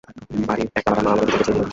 বাড়ির একতালাটা মা আমাদের দুজনকে ছেড়ে দিলেন।